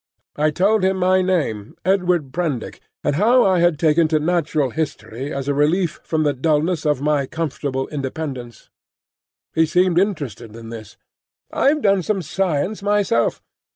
I told him my name, Edward Prendick, and how I had taken to Natural History as a relief from the dulness of my comfortable independence. He seemed interested in this. "I've done some science myself.